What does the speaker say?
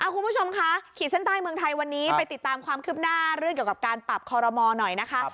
คุณผู้ชมค่ะขีดเส้นใต้เมืองไทยวันนี้ไปติดตามความคืบหน้าเรื่องเกี่ยวกับการปรับคอรมอหน่อยนะคะ